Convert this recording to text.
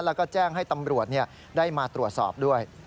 แล้วก็แจ้งให้ตำรวจได้มาตรวจสอบด้วย